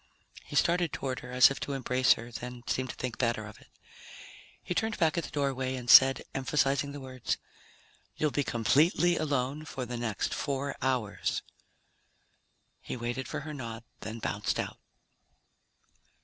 He started toward her, as if to embrace her, then seemed to think better of it. He turned back at the doorway and said, emphasizing the words, "You'll be completely alone for the next four hours." He waited for her nod, then bounced out.